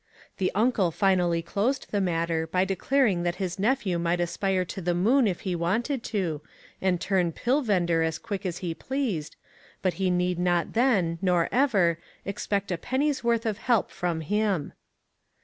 The uncle finally closed the mutter by declaring that his nephew might aspire to the moon if he wanted to, and turn pill vender as quick as he pleased, but he need not then, nor ever, expect a penny's worth of help from him.